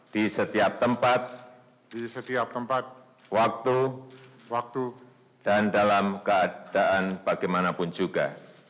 di setiap tempat waktu dan dalam keadaan bagaimanapun juga